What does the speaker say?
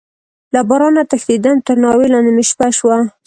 له بارانه تښتيدم، تر ناوې لاندې مې شپه شوه.